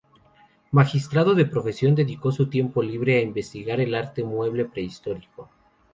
Magistrado de profesión, dedicó su tiempo libre a investigar el arte mueble prehistórico.